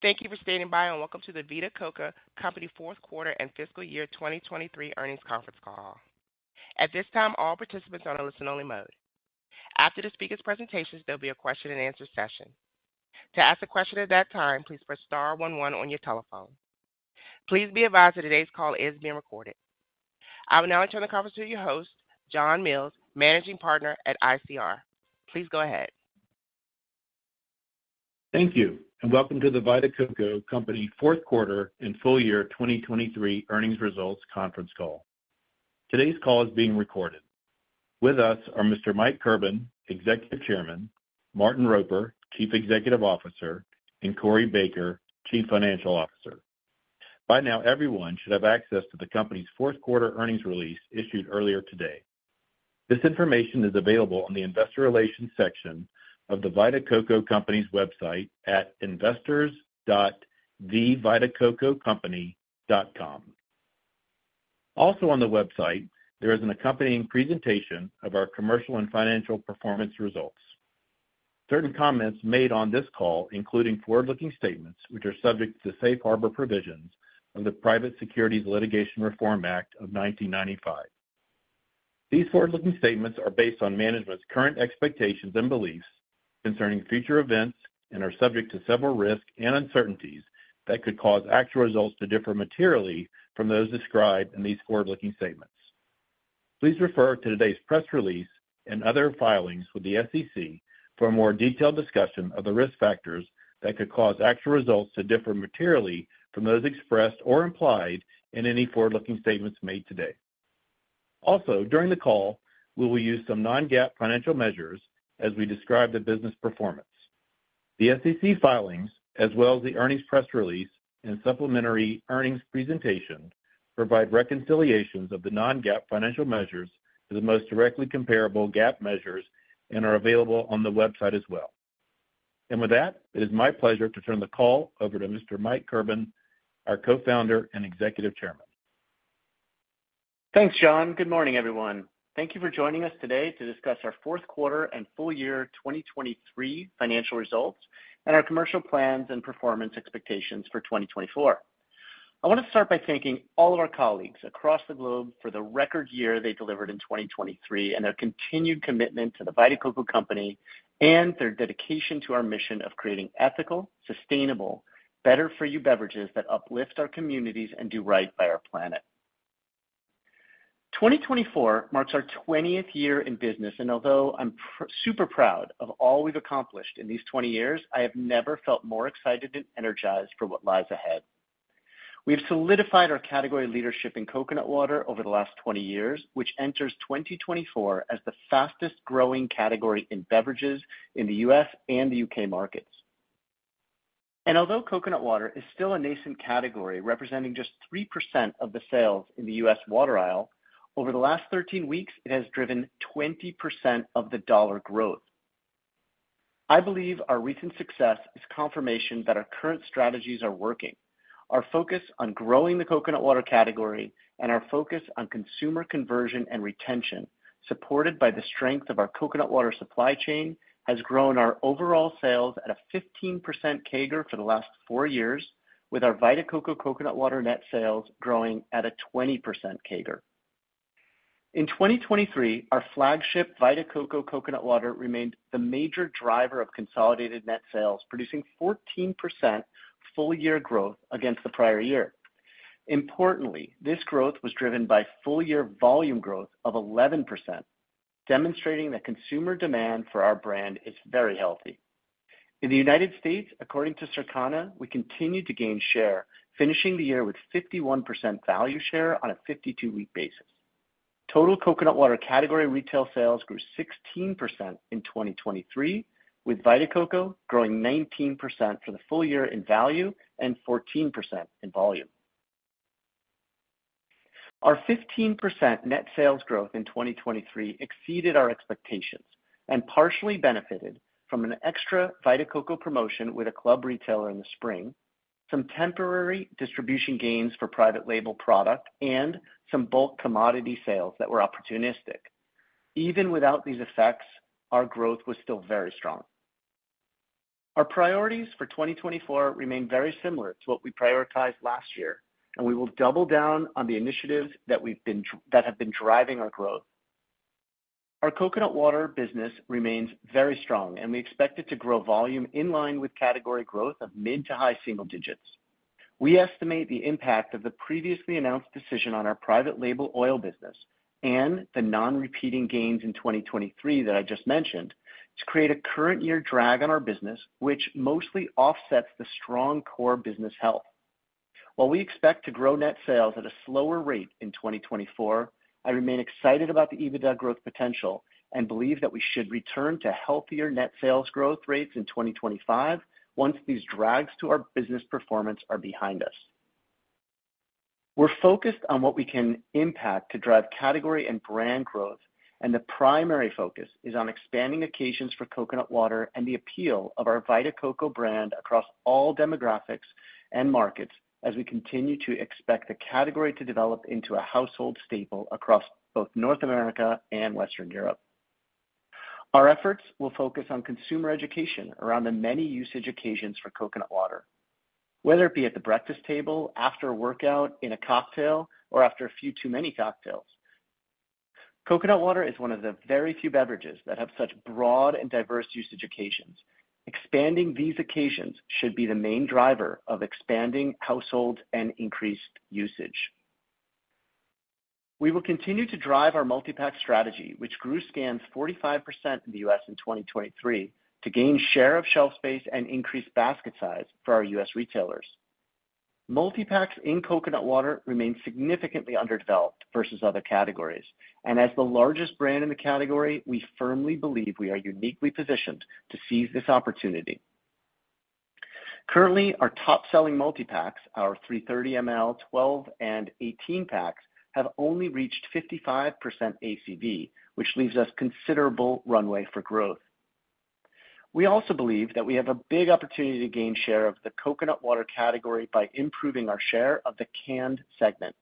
Thank The Vita Coco Company 4th quarter and fiscal year 2023 earnings Conference Call. At this time, all participants are on a listen-only mode. After the speaker's presentations, there'll be a question-and-answer session. To ask a question at that time, please press star 11 on your telephone. Please be advised that today's call is being recorded. I will now turn the conference to your host, John Mills, Managing Partner at ICR. Please go ahead. The Vita Coco Company 4th quarter and full year 2023 earnings Results Conference Call. Today's call is being recorded. With us are Mr. Mike Kirban, Executive Chairman; Martin Roper, Chief Executive Officer; and Corey Baker, Chief Financial Officer. By now, everyone should have access to the company's 4th Quarter earnings release issued earlier today. This information is The Vita Coco Company's website at investors.vitacococompany.com. also on the website, there is an accompanying presentation of our commercial and financial performance results. Certain comments made on this call, including forward-looking Statements which are subject to the safe harbor Provisions of the Private Securities Litigation Reform Act of 1995. These forward-looking Statements are based on management's current expectations and beliefs concerning future events and are subject to several risks and uncertainties that could cause actual results to differ materially from those described in these forward-looking Statements. Please refer to today's press release and other filings with the SEC for a more detailed discussion of the risk factors that could cause actual results to differ materially from those expressed or implied in any forward-looking Statements made today. Also, during the call, we will use some Non-GAAP financial measures as we describe the business performance. The SEC filings, as well as the earnings press release and supplementary earnings presentation, provide reconciliations of the Non-GAAP financial measures to the most directly comparable GAAP measures and are available on the website as well. With that, it is my pleasure to turn the call over to Mr. Mike Kirban, our Co-Founder and Executive Chairman. Thanks, John. Good morning, everyone. Thank you for joining us today to discuss our 4th Quarter and Full Year 2023 financial results and our commercial plans and performance expectations for 2024. I want to start by thanking all of our colleagues across the globe for the record year they delivered The Vita Coco Company and their dedication to our mission of creating ethical, sustainable, better-for-you beverages that uplift our communities and do right by our planet. 2024 marks our 20th year in business, and although I'm super proud of all we've accomplished in these 20 years, I have never felt more excited and energized for what lies ahead. We've solidified our category leadership in coconut water over the last 20 years, which enters 2024 as the fastest-growing category in beverages in the U.S. and the U.K. markets. Although coconut water is still a nascent category representing just 3% of the sales in the U.S. water aisle, over the last 13 weeks, it has driven 20% of the dollar growth. I believe our recent success is confirmation that our current strategies are working. Our focus on growing the coconut water category and our focus on consumer conversion and retention, supported by the strength of our coconut water supply chain, has grown our overall sales at a 15% CAGR for the last four years, with our Vita Coco Coconut Water net sales growing at a 20% CAGR. In 2023, our flagship Vita Coco Coconut Water remained the major driver of consolidated net sales, producing 14% full-year growth against the prior year. Importantly, this growth was driven by full-year volume growth of 11%, demonstrating that consumer demand for our brand is very healthy. In the United States, according to Circana, we continued to gain share, finishing the year with 51% value share on a 52-week basis. Total coconut water category retail sales grew 16% in 2023, with Vita Coco growing 19% for the full year in value and 14% in volume. Our 15% net sales growth in 2023 exceeded our expectations and partially benefited from an extra Vita Coco promotion with a club retailer in the spring, some temporary distribution gains for private label product, and some bulk commodity sales that were opportunistic. Even without these effects, our growth was still very strong. Our priorities for 2024 remain very similar to what we prioritized last year, and we will double down on the initiatives that have been driving our growth. Our coconut water business remains very strong, and we expect it to grow volume in line with category growth of mid to high single digits. We estimate the impact of the previously announced decision on our private label oil business and the non-repeating gains in 2023 that I just mentioned to create a current-year drag on our business, which mostly offsets the strong core business health. While we expect to grow net sales at a slower rate in 2024, I remain excited about the EBITDA growth potential and believe that we should return to healthier net sales growth rates in 2025 once these drags to our business performance are behind us. We're focused on what we can impact to drive category and brand growth, and the primary focus is on expanding occasions for coconut water and the appeal of our Vita Coco brand across all demographics and markets as we continue to expect the category to develop into a household staple across both North America and Western Europe. Our efforts will focus on consumer education around the many usage occasions for coconut water, whether it be at the breakfast table, after a workout, in a cocktail, or after a few too many cocktails. Coconut water is one of the very few beverages that have such broad and diverse usage occasions. Expanding these occasions should be the main driver of expanding households and increased usage. We will continue to drive our multi-pack strategy, which grew scans 45% in the U.S. In 2023 to gain share of shelf space and increase basket size for our U.S. retailers. Multi-packs in coconut water remain significantly underdeveloped versus other categories, and as the largest brand in the category, we firmly believe we are uniquely positioned to seize this opportunity. Currently, our top-selling multi-packs, our 330 ml, 12, and 18 packs, have only reached 55% ACV, which leaves us considerable runway for growth. We also believe that we have a big opportunity to gain share of the coconut water category by improving our share of the canned segment.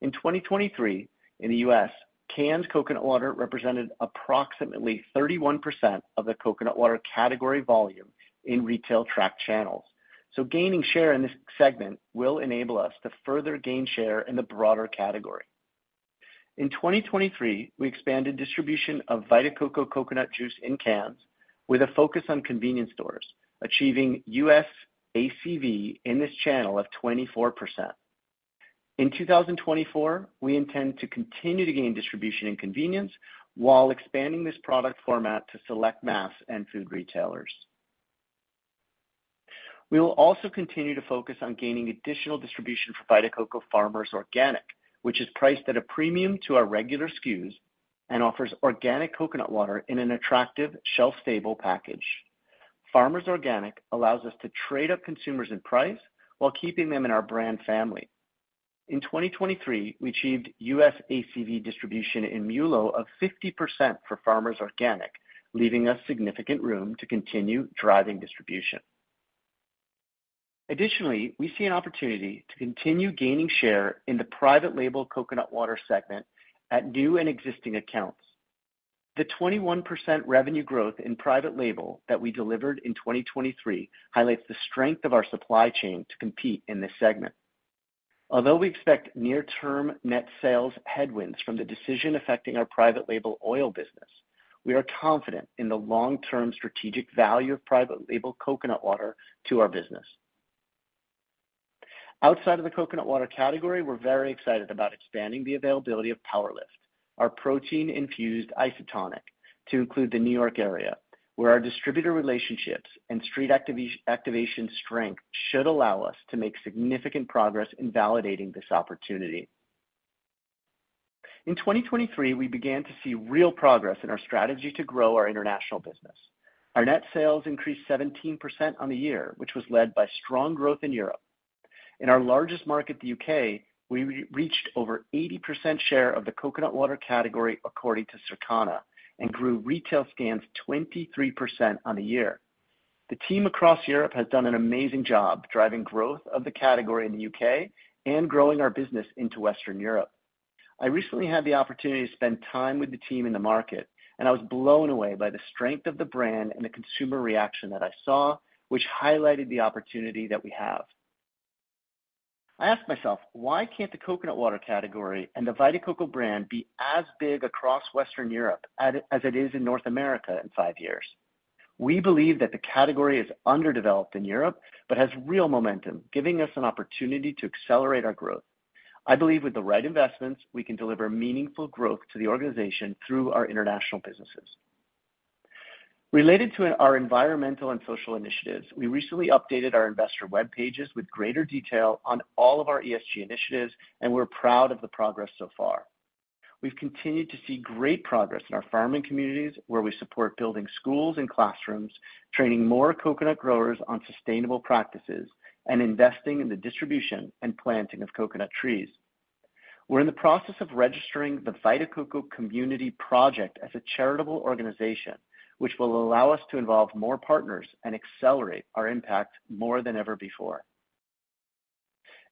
In 2023, in the U.S., canned coconut water represented approximately 31% of the coconut water category volume in retail track channels, so gaining share in this segment will enable us to further gain share in the broader category. In 2023, we expanded distribution of Vita Coco Coconut Juice in cans with a focus on convenience stores, achieving U.S. ACV in this channel of 24%. In 2024, we intend to continue to gain distribution in convenience while expanding this product format to select mass and food retailers. We will also continue to focus on gaining additional distribution for Vita Coco Farmers Organic, which is priced at a premium to our regular SKUs and offers organic coconut water in an attractive, shelf-stable package. Farmers Organic allows us to trade up consumers in price while keeping them in our brand family. In 2023, we achieved U.S. ACV distribution in MULO of 50% for Farmers Organic, leaving us significant room to continue driving distribution. Additionally, we see an opportunity to continue gaining share in the private label coconut water segment at new and existing accounts. The 21% revenue growth in private label that we delivered in 2023 highlights the strength of our supply chain to compete in this segment. Although we expect near-term net sales headwinds from the decision affecting our private label oil business, we are confident in the long-term strategic value of private label coconut water to our business. Outside of the coconut water category, we're very excited about expanding the availability of PWR LIFT, our protein-infused isotonic, to include the New York area, where our distributor relationships and street activation strength should allow us to make significant progress in validating this opportunity. In 2023, we began to see real progress in our strategy to grow our international business. Our net sales increased 17% on the year, which was led by strong growth in Europe. In our largest market, the U.K., we reached over 80% share of the coconut water category according to Circana and grew retail scans 23% on the year. The team across Europe has done an amazing job driving growth of the category in the U.K. and growing our business into Western Europe. I recently had the opportunity to spend time with the team in the market, and I was blown away by the strength of the brand and the consumer reaction that I saw, which highlighted the opportunity that we have. I asked myself, why can't the coconut water category and The Vita Coco brand be as big across Western Europe as it is in North America in five years? We believe that the category is underdeveloped in Europe but has real momentum, giving us an opportunity to accelerate our growth. I believe with the right investments, we can deliver meaningful growth to the organization through our international businesses. Related to our environmental and social initiatives, we recently updated our investor web pages with greater detail on all of our ESG initiatives, and we're proud of the progress so far. We've continued to see great progress in our farming communities, where we support building schools and classrooms, training more coconut growers on sustainable practices, and investing in the distribution and planting of coconut trees. We're in the process of registering The Vita Coco Community Project as a charitable organization, which will allow us to involve more partners and accelerate our impact more than ever before.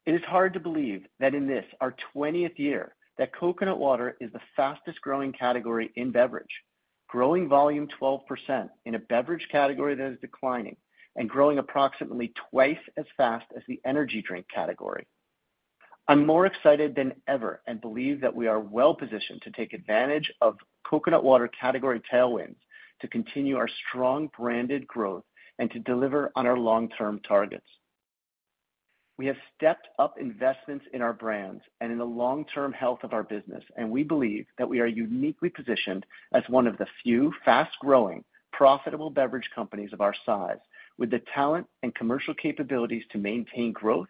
It is hard to believe that in this our 20th year that coconut water is the fastest-growing category in beverage, growing volume 12% in a beverage category that is declining, and growing approximately twice as fast as the energy drink category. I'm more excited than ever and believe that we are well positioned to take advantage of coconut water category tailwinds to continue our strong branded growth and to deliver on our long-term targets. We have stepped up investments in our brands and in the long-term health of our business, and we believe that we are uniquely positioned as one of the few fast-growing, profitable beverage companies of our size, with the talent and commercial capabilities to maintain growth,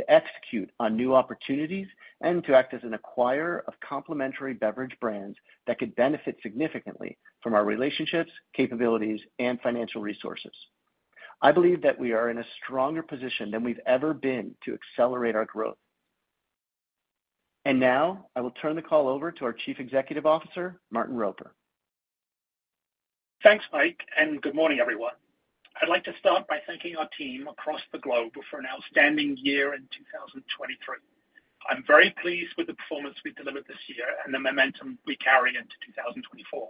to execute on new opportunities, and to act as an acquirer of complementary beverage brands that could benefit significantly from our relationships, capabilities, and financial resources. I believe that we are in a stronger position than we've ever been to accelerate our growth. Now I will turn the call over to our Chief Executive Officer, Martin Roper. Thanks, Mike, and good morning, everyone. I'd like to start by thanking our team across the globe for an outstanding year in 2023. I'm very pleased with the performance we delivered this year and the momentum we carry into 2024.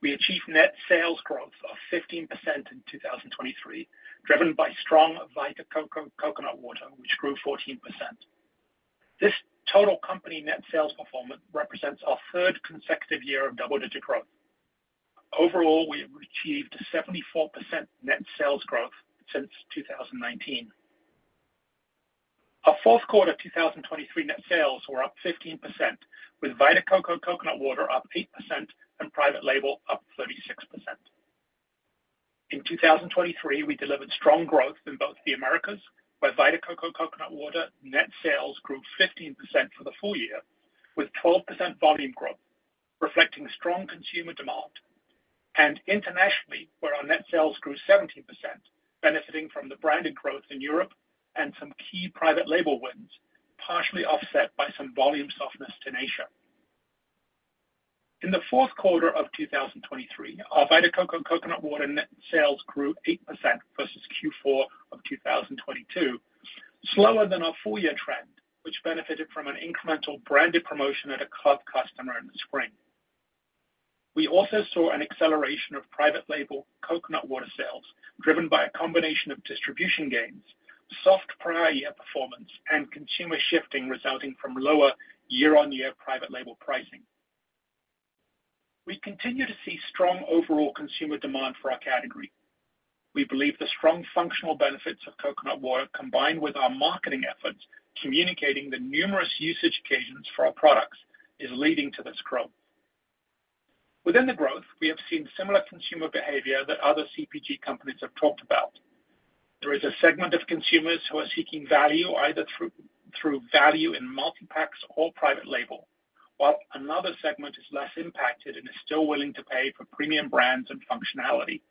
We achieved net sales growth of 15% in 2023, driven by strong Vita Coco Coconut Water, which grew 14%. This total company net sales performance represents our third consecutive year of double-digit growth. Overall, we have achieved 74% net sales growth since 2019. Our fourth quarter 2023 net sales were up 15%, with Vita Coco Coconut Water up 8% and Private Label up 36%. In 2023, we delivered strong growth in both the Americas, where Vita Coco Coconut Water net sales grew 15% for the full year, with 12% volume growth, reflecting strong consumer demand. Internationally, where our net sales grew 17%, benefiting from the branded growth in Europe and some key private label wins, partially offset by some volume softness in Oceania. In the fourth quarter of 2023, our Vita Coco Coconut Water net sales grew 8% versus Q4 of 2022, slower than our full-year trend, which benefited from an incremental branded promotion at a club customer in the spring. We also saw an acceleration of private label coconut water sales, driven by a combination of distribution gains, soft prior-year performance, and consumer shifting resulting from lower year-on-year private label pricing. We continue to see strong overall consumer demand for our category. We believe the strong functional benefits of coconut water combined with our marketing efforts, communicating the numerous usage occasions for our products, is leading to this growth. Within the growth, we have seen similar consumer behavior that other CPG companies have talked about. There is a segment of consumers who are seeking value either through value in multi-packs or private label, while another segment is less impacted and is still willing to pay for premium brands and functionality.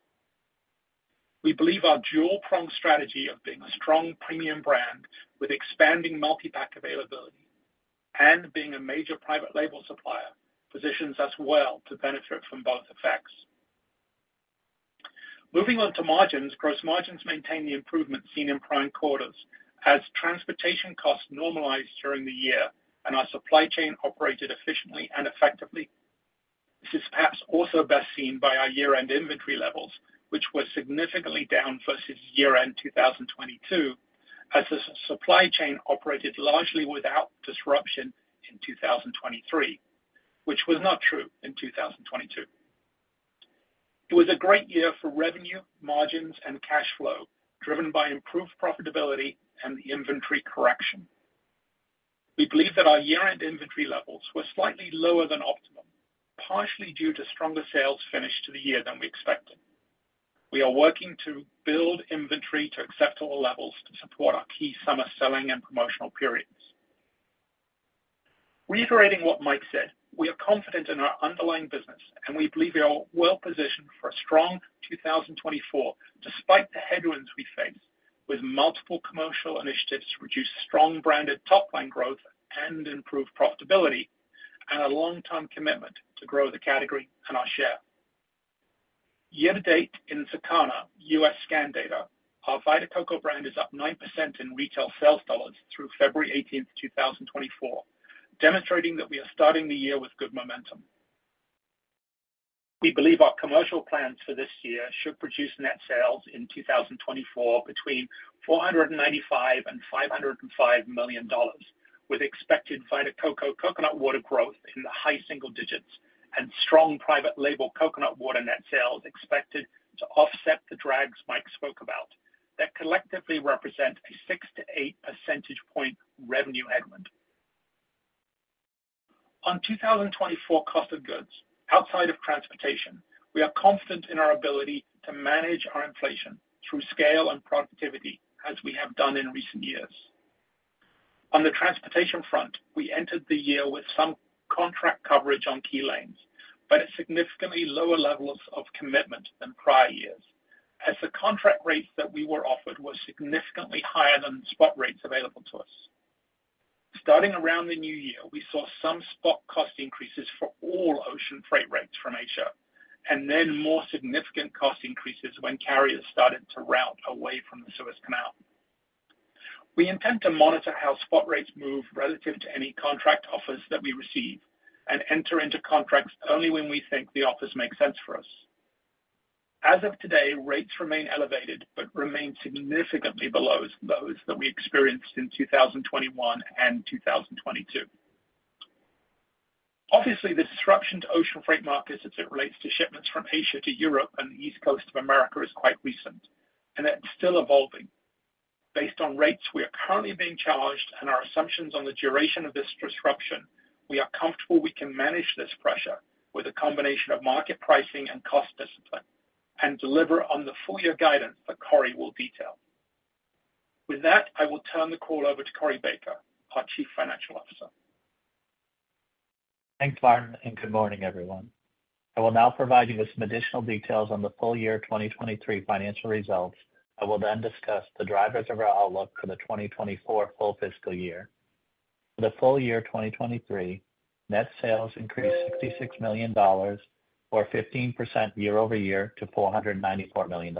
We believe our dual-pronged strategy of being a strong premium brand with expanding multi-pack availability and being a major private label supplier positions us well to benefit from both effects. Moving on to margins, gross margins maintain the improvement seen in prime quarters as transportation costs normalized during the year and our supply chain operated efficiently and effectively. This is perhaps also best seen by our year-end inventory levels, which were significantly down versus year-end 2022, as the supply chain operated largely without disruption in 2023, which was not true in 2022. It was a great year for revenue, margins, and cash flow, driven by improved profitability and the inventory correction. We believe that our year-end inventory levels were slightly lower than optimum, partially due to stronger sales finish to the year than we expected. We are working to build inventory to acceptable levels to support our key summer selling and promotional periods. Reiterating what Mike said, we are confident in our underlying business, and we believe we are well positioned for a strong 2024 despite the headwinds we face, with multiple commercial initiatives to reduce strong branded top-line growth and improve profitability and a long-term commitment to grow the category and our share. Year to date in Circana U.S. scan data, our Vita Coco brand is up 9% in retail sales dollars through February 18th, 2024, demonstrating that we are starting the year with good momentum. We believe our commercial plans for this year should produce net sales in 2024 between $495 million-$505 million, with expected Vita Coco Coconut Water growth in the high single digits and strong private label coconut water net sales expected to offset the drags Mike spoke about that collectively represent a 6-8 percentage point revenue headwind. On 2024 cost of goods outside of transportation, we are confident in our ability to manage our inflation through scale and productivity as we have done in recent years. On the transportation front, we entered the year with some contract coverage on key lanes, but at significantly lower levels of commitment than prior years, as the contract rates that we were offered were significantly higher than the spot rates available to us. Starting around the new year, we saw some spot cost increases for all ocean freight rates from Asia and then more significant cost increases when carriers started to route away from the Suez Canal. We intend to monitor how spot rates move relative to any contract offers that we receive and enter into contracts only when we think the offers make sense for us. As of today, rates remain elevated but remain significantly below those that we experienced in 2021 and 2022. Obviously, the disruption to ocean freight markets as it relates to shipments from Asia to Europe and the East Coast of America is quite recent, and it's still evolving. Based on rates we are currently being charged and our assumptions on the duration of this disruption, we are comfortable we can manage this pressure with a combination of market pricing and cost discipline and deliver on the full-year guidance that Corey will detail. With that, I will turn the call over to Corey Baker, our Chief Financial Officer. Thanks, Martin, and good morning, everyone. I will now provide you with some additional details on the full-year 2023 financial results. I will then discuss the drivers of our outlook for the 2024 full fiscal year. For the full year 2023, net sales increased $66 million or 15% year-over-year to $494 million,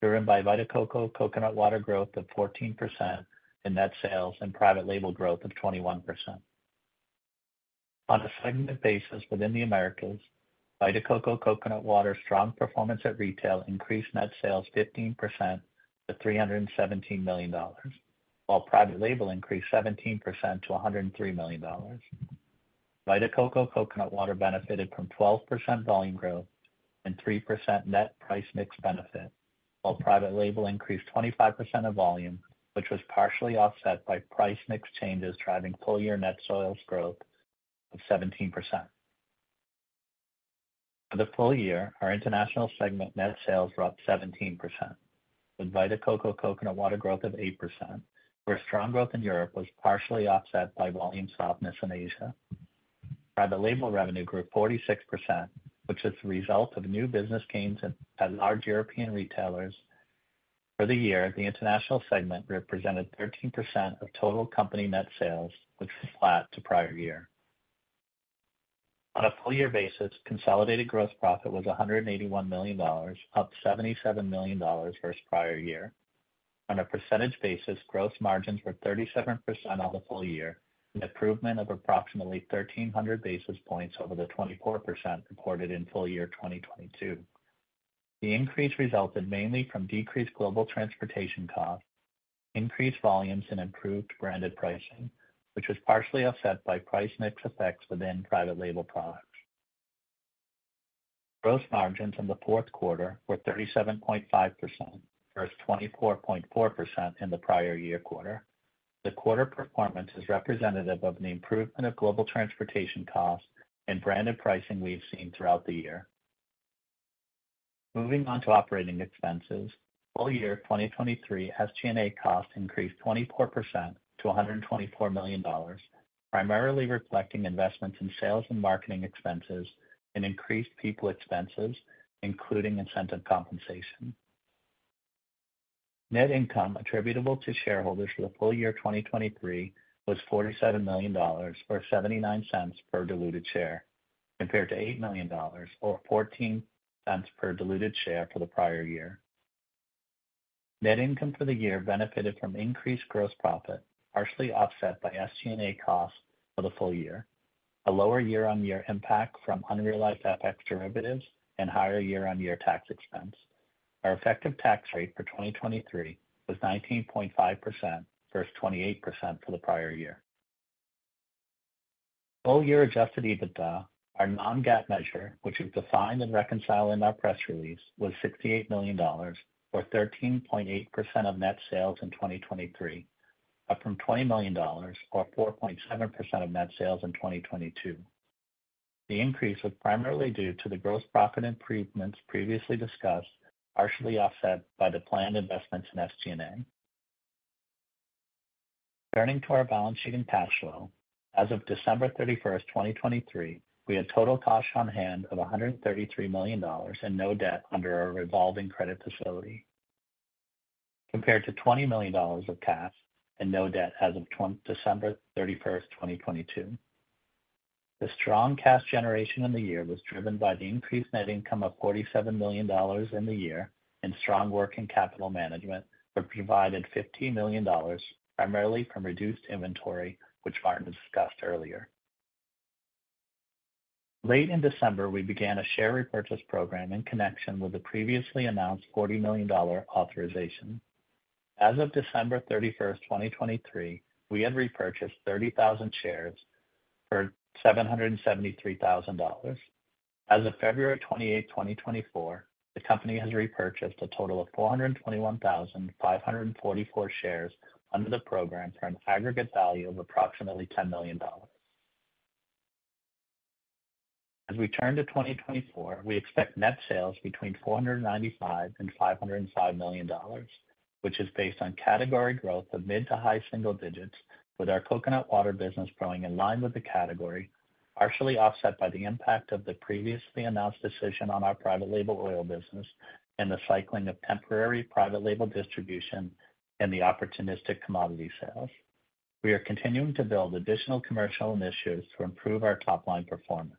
driven by Vita Coco Coconut Water growth of 14% in net sales and private label growth of 21%. On a segment basis within the Americas, Vita Coco Coconut Water strong performance at retail increased net sales 15% to $317 million, while private label increased 17% to $103 million. Vita Coco Coconut Water benefited from 12% volume growth and 3% net price mix benefit, while private label increased 25% of volume, which was partially offset by price mix changes driving full-year net sales growth of 17%. For the full year, our international segment net sales were up 17% with Vita Coco Coconut Water growth of 8%, where strong growth in Europe was partially offset by volume softness in Asia. Private Label revenue grew 46%, which is the result of new business gains at large European retailers. For the year, the international segment represented 13% of total company net sales, which is flat to prior year. On a full-year basis, consolidated gross profit was $181 million, up $77 million versus prior year. On a percentage basis, gross margins were 37% on the full year, an improvement of approximately 1,300 basis points over the 24% reported in full year 2022. The increase resulted mainly from decreased global transportation costs, increased volumes, and improved branded pricing, which was partially offset by price mix effects within Private Label products. Gross margins in the fourth quarter were 37.5% versus 24.4% in the prior year quarter. The quarter performance is representative of the improvement of global transportation costs and branded pricing we've seen throughout the year. Moving on to operating expenses, full year 2023 SG&A costs increased 24% to $124 million, primarily reflecting investments in sales and marketing expenses and increased people expenses, including incentive compensation. Net income attributable to shareholders for the full year 2023 was $47 million or $0.79 per diluted share, compared to $8 million or $0.14 per diluted share for the prior year. Net income for the year benefited from increased gross profit, partially offset by SG&A costs for the full year, a lower year-on-year impact from unrealized FX derivatives, and higher year-on-year tax expense. Our effective tax rate for 2023 was 19.5% versus 28% for the prior year. Full-year Adjusted EBITDA, our Non-GAAP measure, which is defined and reconciled in our press release, was $68 million or 13.8% of net sales in 2023, up from $20 million or 4.7% of net sales in 2022. The increase was primarily due to the gross profit improvements previously discussed, partially offset by the planned investments in SG&A. Turning to our balance sheet and cash flow, as of December 31st, 2023, we had total cash on hand of $133 million and no debt under our revolving credit facility, compared to $20 million of cash and no debt as of December 31st, 2022. The strong cash generation in the year was driven by the increased net income of $47 million in the year and strong working capital management that provided $15 million, primarily from reduced inventory, which Martin discussed earlier. Late in December, we began a share repurchase program in connection with the previously announced $40 million authorization. As of December 31st, 2023, we had repurchased 30,000 shares for $773,000. As of February 28th, 2024, the company has repurchased a total of 421,544 shares under the program for an aggregate value of approximately $10 million. As we turn to 2024, we expect net sales between $495 million-$505 million, which is based on category growth of mid- to high-single digits, with our coconut water business growing in line with the category, partially offset by the impact of the previously announced decision on our private label oil business and the cycling of temporary private label distribution and the opportunistic commodity sales. We are continuing to build additional commercial initiatives to improve our top-line performance.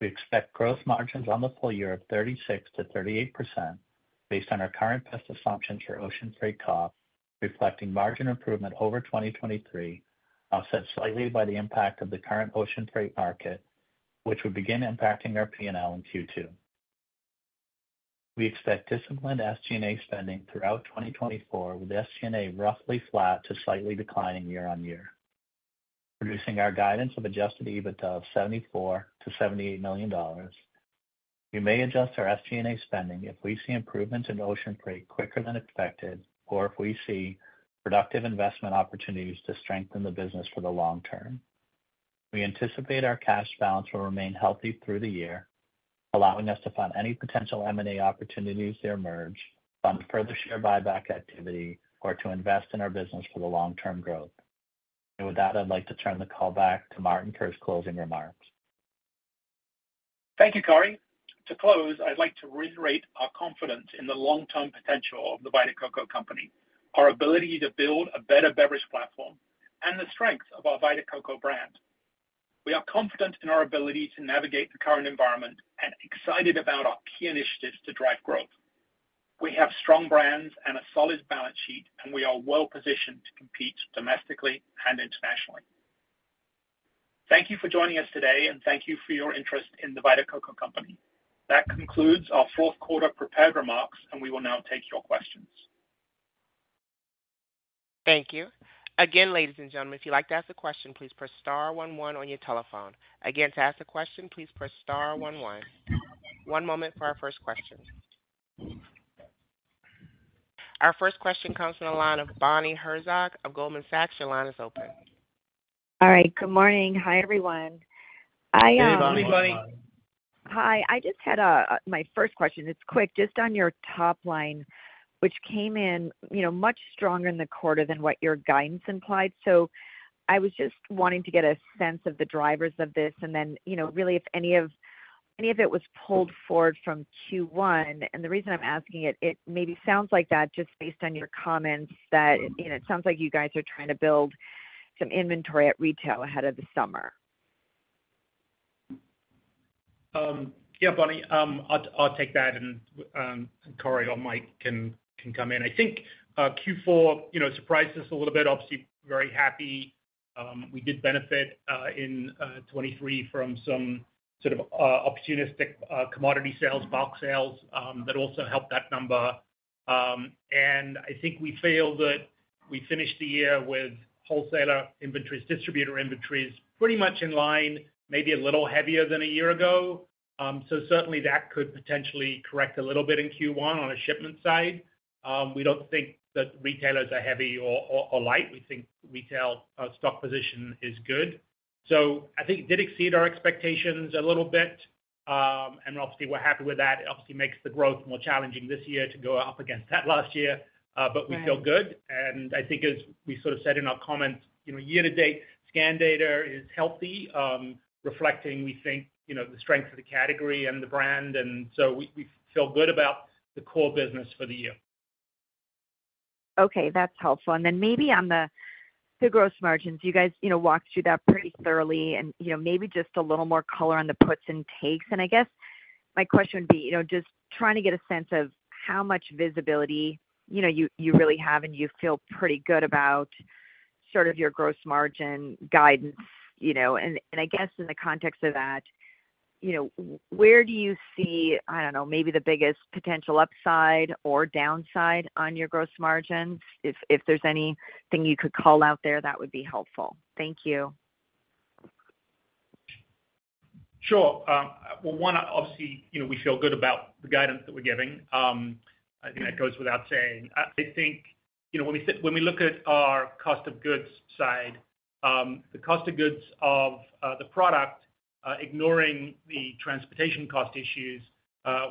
We expect gross margins on the full year of 36%-38% based on our current best assumptions for ocean freight costs, reflecting margin improvement over 2023, offset slightly by the impact of the current ocean freight market, which would begin impacting our P&L in Q2. We expect disciplined SG&A spending throughout 2024 with SG&A roughly flat to slightly declining year-over-year, producing our guidance of adjusted EBITDA of $74-$78 million. We may adjust our SG&A spending if we see improvements in ocean freight quicker than expected or if we see productive investment opportunities to strengthen the business for the long term. We anticipate our cash balance will remain healthy through the year, allowing us to fund any potential M&A opportunities that emerge, fund further share buyback activity, or to invest in our business for the long-term growth. With that, I'd like to turn the call back to Martin for his closing remarks. Thank you, Corey. To close, I'd like to reiterate The Vita Coco Company, our ability to build a better beverage platform, and the strengths of our Vita Coco brand. We are confident in our ability to navigate the current environment and excited about our key initiatives to drive growth. We have strong brands and a solid balance sheet, and we are well positioned to compete domestically and internationally. Thank you for joining us today, The Vita Coco Company. that concludes our fourth quarter prepared remarks, and we will now take your questions. Thank you. Again, ladies and gentlemen, if you'd like to ask a question, please press star 11 on your telephone. Again, to ask a question, please press star 11. One moment for our first question. Our first question comes from the line of Bonnie Herzog of Goldman Sachs. Your line is open. All right. Good morning. Hi, everyone. I am. Hey, Bonnie. Good morning, Bonnie. Hi. I just had my first question. It's quick. Just on your top line, which came in much stronger in the quarter than what your guidance implied. So I was just wanting to get a sense of the drivers of this. And then really, if any of it was pulled forward from Q1, and the reason I'm asking it, it maybe sounds like that just based on your comments that it sounds like you guys are trying to build some inventory at retail ahead of the summer. Yeah, Bonnie. I'll take that. And Corey or Mike can come in. I think Q4 surprised us a little bit. Obviously, very happy. We did benefit in 2023 from some sort of opportunistic commodity sales, box sales that also helped that number. And I think we feel that we finished the year with wholesaler inventories, distributor inventories pretty much in line, maybe a little heavier than a year ago. So certainly, that could potentially correct a little bit in Q1 on the shipment side. We don't think that retailers are heavy or light. We think retail stock position is good. So I think it did exceed our expectations a little bit. And obviously, we're happy with that. It obviously makes the growth more challenging this year to go up against that last year. But we feel good. I think, as we sort of said in our comments, year-to-date, scan data is healthy, reflecting, we think, the strength of the category and the brand. So we feel good about the core business for the year. Okay. That's helpful. And then maybe on the gross margins, you guys walked through that pretty thoroughly and maybe just a little more color on the puts and takes. And I guess my question would be just trying to get a sense of how much visibility you really have and you feel pretty good about sort of your gross margin guidance. And I guess in the context of that, where do you see, I don't know, maybe the biggest potential upside or downside on your gross margins? If there's anything you could call out there, that would be helpful. Thank you. Sure. Well, one, obviously, we feel good about the guidance that we're giving. I think that goes without saying. I think when we look at our cost of goods side, the cost of goods of the product, ignoring the transportation cost issues,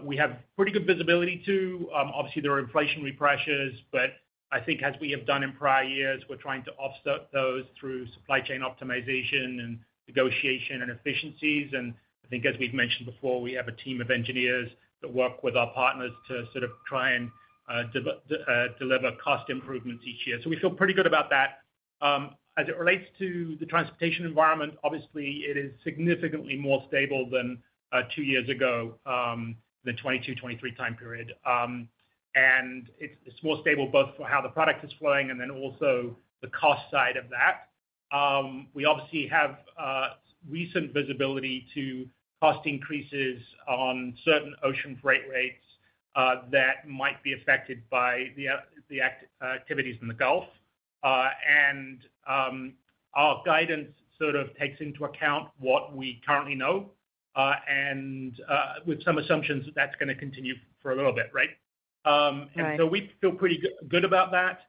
we have pretty good visibility too. Obviously, there are inflationary pressures. But I think as we have done in prior years, we're trying to offset those through supply chain optimization and negotiation and efficiencies. And I think as we've mentioned before, we have a team of engineers that work with our partners to sort of try and deliver cost improvements each year. So we feel pretty good about that. As it relates to the transportation environment, obviously, it is significantly more stable than two years ago, the 2022-2023 time period. It's more stable both for how the product is flowing and then also the cost side of that. We obviously have recent visibility to cost increases on certain ocean freight rates that might be affected by the activities in the Gulf. Our guidance sort of takes into account what we currently know with some assumptions that that's going to continue for a little bit, right? So we feel pretty good about that.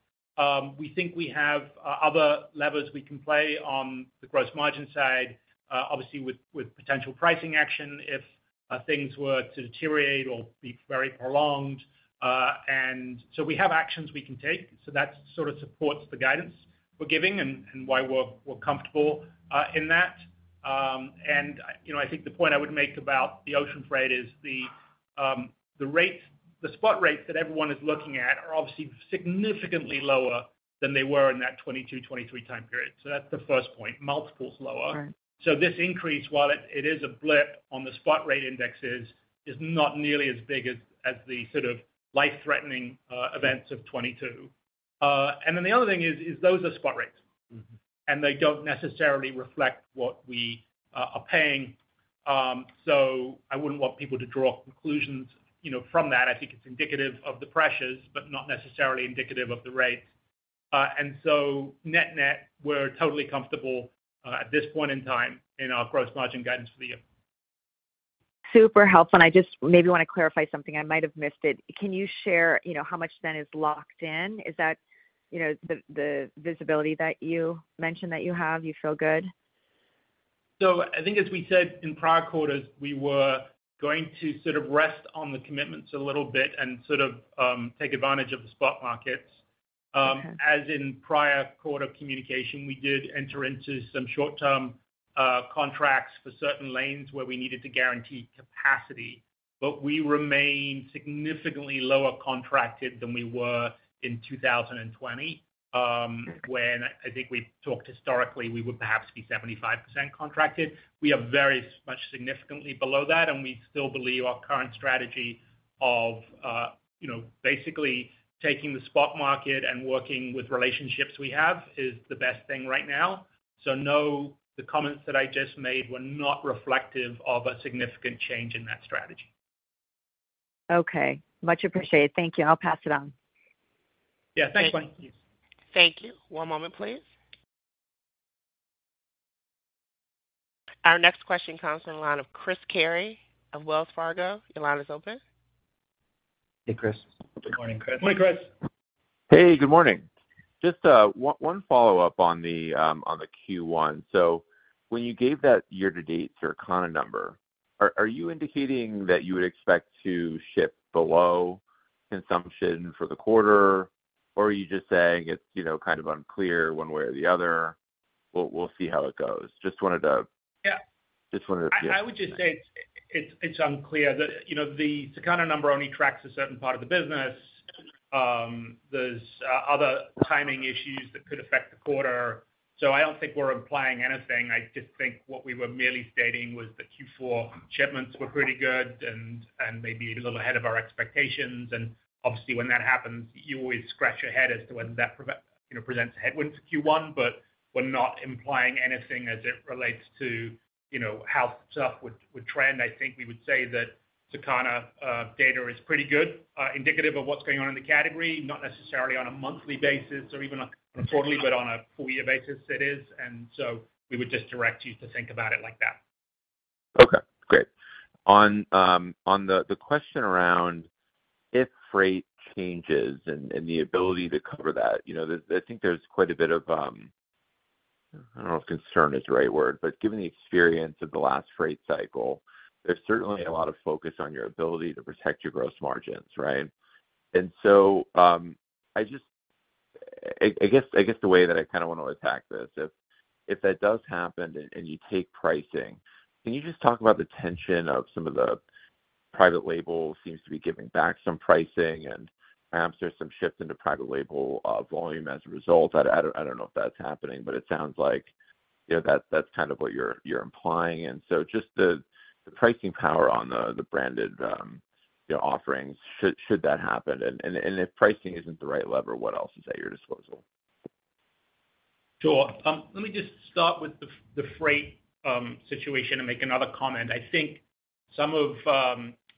We think we have other levers we can play on the gross margin side, obviously, with potential pricing action if things were to deteriorate or be very prolonged. So we have actions we can take. That sort of supports the guidance we're giving and why we're comfortable in that. I think the point I would make about the ocean freight is the spot rates that everyone is looking at are obviously significantly lower than they were in that 2022-2023 time period. So that's the first point. Multiples lower. So this increase, while it is a blip on the spot rate indexes, is not nearly as big as the sort of life-threatening events of 2022. And then the other thing is those are spot rates, and they don't necessarily reflect what we are paying. So I wouldn't want people to draw conclusions from that. I think it's indicative of the pressures, but not necessarily indicative of the rates. And so net-net, we're totally comfortable at this point in time in our gross margin guidance for the year. Super helpful. I just maybe want to clarify something. I might have missed it. Can you share how much then is locked in? Is that the visibility that you mentioned that you have? You feel good? I think as we said in prior quarters, we were going to sort of rest on the commitments a little bit and sort of take advantage of the spot markets. As in prior quarter communication, we did enter into some short-term contracts for certain lanes where we needed to guarantee capacity. We remained significantly lower contracted than we were in 2020, when I think we talked historically, we would perhaps be 75% contracted. We are very much significantly below that. We still believe our current strategy of basically taking the spot market and working with relationships we have is the best thing right now. No, the comments that I just made were not reflective of a significant change in that strategy. Okay. Much appreciated. Thank you. I'll pass it on. Yeah. Thanks, Bonnie. Thank you. One moment, please. Our next question comes from the line of Chris Carey of Wells Fargo. Your line is open. Hey, Chris. Good morning, Chris. Morning, Chris. Hey, good morning. Just one follow-up on the Q1. So when you gave that year-to-date Circana number, are you indicating that you would expect to ship below consumption for the quarter, or are you just saying it's kind of unclear one way or the other? We'll see how it goes. Just wanted to. Yeah. I would just say it's unclear. The Circana number only tracks a certain part of the business. There's other timing issues that could affect the quarter. So I don't think we're implying anything. I just think what we were merely stating was that Q4 shipments were pretty good and maybe a little ahead of our expectations. And obviously, when that happens, you always scratch your head as to whether that presents a headwind for Q1. But we're not implying anything as it relates to how stuff would trend. I think we would say that Circana data is pretty good, indicative of what's going on in the category, not necessarily on a monthly basis or even on a quarterly, but on a full-year basis, it is. And so we would just direct you to think about it like that. Okay. Great. On the question around if freight changes and the ability to cover that, I think there's quite a bit of, I don't know if concern is the right word, but given the experience of the last freight cycle, there's certainly a lot of focus on your ability to protect your gross margins, right? And so I guess the way that I kind of want to attack this, if that does happen and you take pricing, can you just talk about the tension of some of the private label seems to be giving back some pricing, and perhaps there's some shift into private label volume as a result? I don't know if that's happening, but it sounds like that's kind of what you're implying. And so just the pricing power on the branded offerings, should that happen? If pricing isn't the right lever, what else is at your disposal? Sure. Let me just start with the freight situation and make another comment. I think some of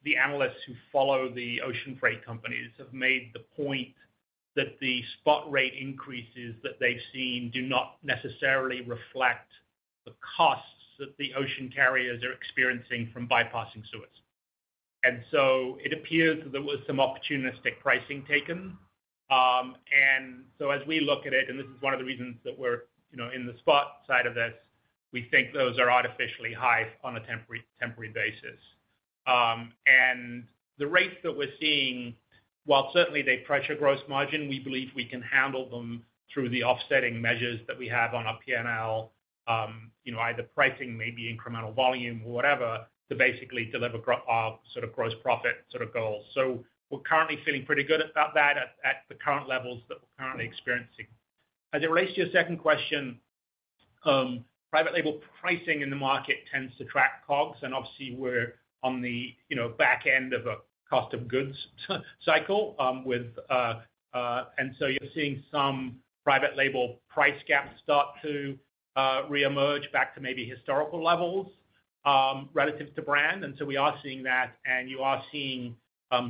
the analysts who follow the ocean freight companies have made the point that the spot rate increases that they've seen do not necessarily reflect the costs that the ocean carriers are experiencing from bypassing the Suez Canal. And so it appears that there was some opportunistic pricing taken. And so as we look at it, and this is one of the reasons that we're in the spot side of this, we think those are artificially high on a temporary basis. And the rates that we're seeing, while certainly they pressure gross margin, we believe we can handle them through the offsetting measures that we have on our P&L, either pricing, maybe incremental volume, or whatever, to basically deliver our sort of gross profit sort of goals. So we're currently feeling pretty good about that at the current levels that we're currently experiencing. As it relates to your second question, private label pricing in the market tends to track COGS. And obviously, we're on the back end of a cost of goods cycle. And so you're seeing some private label price gaps start to reemerge back to maybe historical levels relative to brand. And so we are seeing that. And you are seeing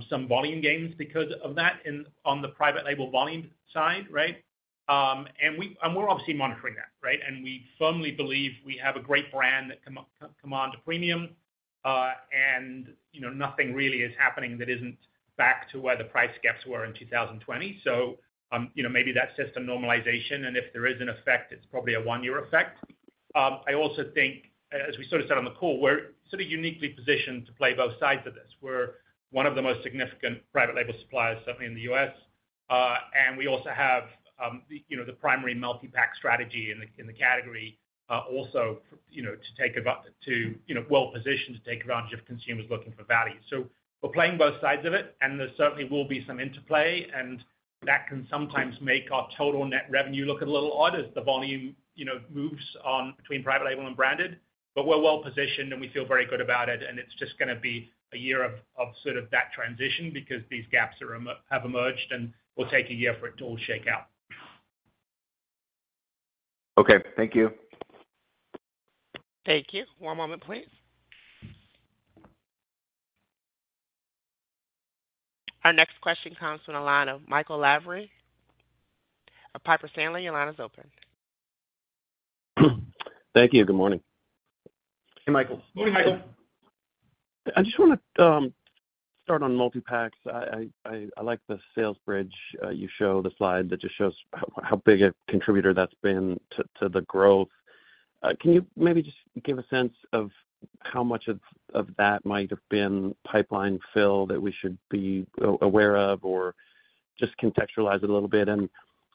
some volume gains because of that on the private label volume side, right? And we're obviously monitoring that, right? And we firmly believe we have a great brand that commands premium. And nothing really is happening that isn't back to where the price gaps were in 2020. So maybe that's just a normalization. And if there is an effect, it's probably a one-year effect. I also think, as we sort of said on the call, we're sort of uniquely positioned to play both sides of this. We're one of the most significant private label suppliers, certainly in the U.S. We also have the primary multi-pack strategy in the category also to take advantage to well-positioned to take advantage of consumers looking for value. We're playing both sides of it. There certainly will be some interplay. That can sometimes make our total net revenue look a little odd as the volume moves between private label and branded. But we're well-positioned, and we feel very good about it. It's just going to be a year of sort of that transition because these gaps have emerged. We'll take a year for it to all shake out. Okay. Thank you. Thank you. One moment, please. Our next question comes from the line of Michael Lavery of Piper Sandler. Your line is open. Thank you. Good morning. Hey, Michael. Good morning, Michael. I just want to start on multi-packs. I like the sales bridge you show, the slide that just shows how big a contributor that's been to the growth. Can you maybe just give a sense of how much of that might have been pipeline fill that we should be aware of or just contextualize it a little bit?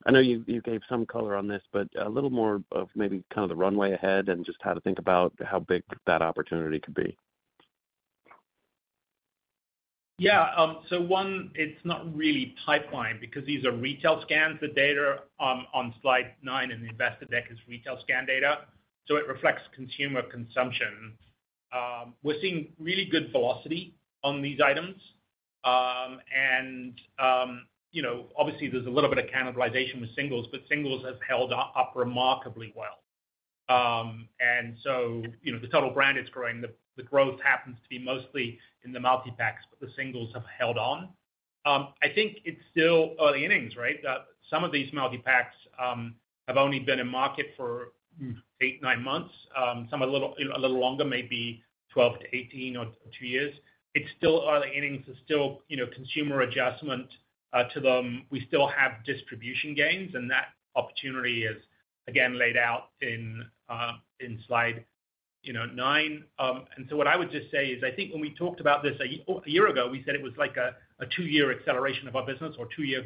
I know you gave some color on this, but a little more of maybe kind of the runway ahead and just how to think about how big that opportunity could be. Yeah. So one, it's not really pipeline because these are retail scans. The data on slide 9 in the investor deck is retail scan data. So it reflects consumer consumption. We're seeing really good velocity on these items. And obviously, there's a little bit of cannibalization with singles, but singles have held up remarkably well. And so the total brand is growing. The growth happens to be mostly in the multi-packs, but the singles have held on. I think it's still early innings, right? Some of these multi-packs have only been in market for 8-9 months. Some are a little longer, maybe 12-18 or 2 years. It's still early innings. It's still consumer adjustment to them. We still have distribution gains. And that opportunity is, again, laid out in slide 9. And so what I would just say is I think when we talked about this a year ago, we said it was like a two-year acceleration of our business or two-year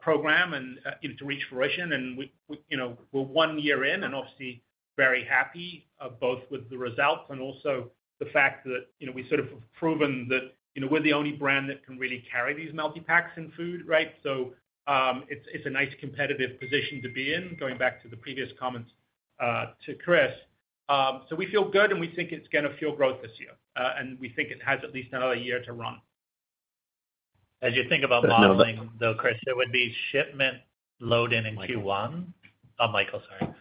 program to reach fruition. And we're one year in and obviously very happy both with the results and also the fact that we sort of have proven that we're the only brand that can really carry these multi-packs in food, right? So we feel good, and we think it's going to fuel growth this year. And we think it has at least another year to run. As you think about modeling, though, Chris, it would be shipment load-in in Q1. Oh, Michael, sorry.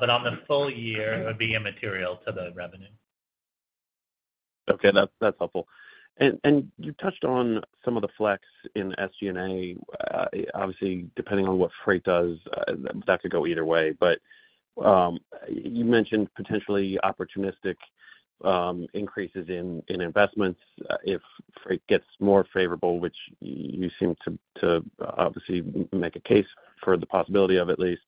But on the full year, it would be immaterial to the revenue. Okay. That's helpful. And you touched on some of the flex in SG&A. Obviously, depending on what freight does, that could go either way. But you mentioned potentially opportunistic increases in investments if freight gets more favorable, which you seem to obviously make a case for the possibility of at least.